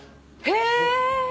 へぇ。